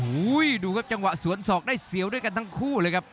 โอ้โหดูครับจังหวะสวนศอกได้เสียวด้วยกันทั้งคู่เลยครับ